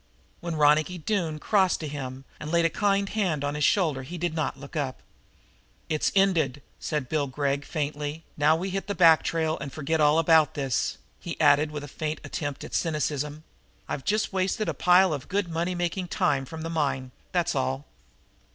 When Ronicky Doone crossed to him and laid a kind hand on his shoulder he did not look up. "It's ended," said Bill Gregg faintly. "Now we hit the back trail and forget all about this." He added with a faint attempt at cynicism: "I've just wasted a pile of good money making time from the mine, that's all."